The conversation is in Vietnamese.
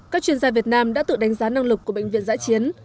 các chuyên gia việt nam đã tự đánh giá năng lực của bệnh viện giã chiến